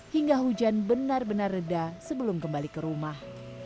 hingga hujan benar benar reda sebelum kembali ke rumah